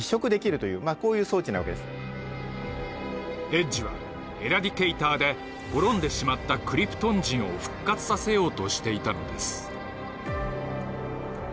エッジはエラディケイターで滅んでしまったクリプトン人を復活させようとしていたのです。